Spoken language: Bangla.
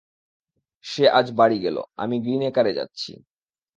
সে আজ বাড়ী গেল, আমি গ্রীনএকারে যাচ্ছি।